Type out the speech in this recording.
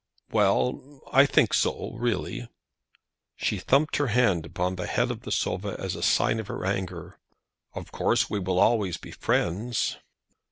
"Well, I think so really." She thumped her hand upon the head of the sofa as a sign of her anger. "Of course we shall always be friends?"